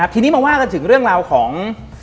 ทีนี้มาว่ากันถึงเรื่องราวของ